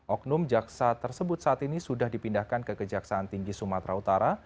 oknum jaksa tersebut saat ini sudah dipindahkan ke kejaksaan tinggi sumatera utara